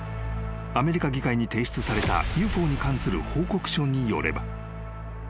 ［アメリカ議会に提出されたＵＦＯに関する報告書によれば］